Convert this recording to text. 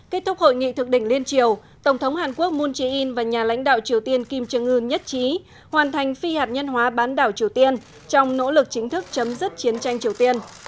kết thúc hội nghị thượng đỉnh liên triều tổng thống hàn quốc moon jae in và nhà lãnh đạo triều tiên kim jong un nhất trí hoàn thành phi hạt nhân hóa bán đảo triều tiên trong nỗ lực chính thức chấm dứt chiến tranh triều tiên